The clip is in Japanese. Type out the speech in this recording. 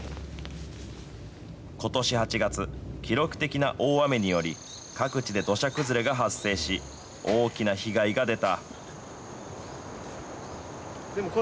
ことし８月、記録的な大雨により、各地で土砂崩れが発生し、大きな被害が出た。